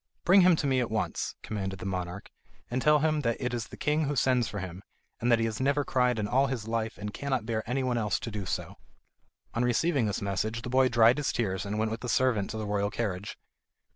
"Bring him to me at once," commanded the monarch, "and tell him that it is the king who sends for him, and that he has never cried in all his life and cannot bear anyone else to do so." On receiving this message the boy dried his tears and went with the servant to the royal carriage.